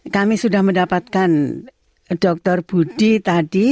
kami sudah mendapatkan dr budi tadi